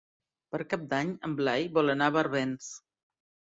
Per Cap d'Any en Blai vol anar a Barbens.